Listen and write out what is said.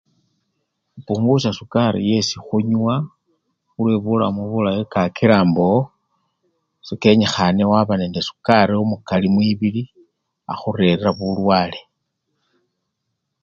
Khupungusya sukari yesi khunywa khulwe bulamu bulayi kakila mbo sekenyikhane waba nende sukari omukali mwibili taa akhurerera bulwale.